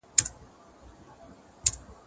ته ولې اوبه څښې،